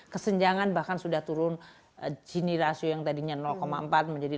kesenjangan bahkan sudah turun jenis rasio yang tadinya empat menjadi tiga puluh delapan